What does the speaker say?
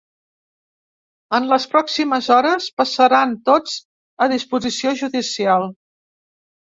En les pròximes hores, passaran tots a disposició judicial.